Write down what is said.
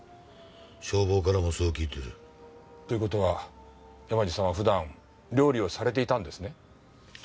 消防からもそう聞いてる。という事は山路さんは普段料理をされていたんですね？